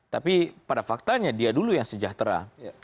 tapi pada faktanya dia dulu yang sejahtera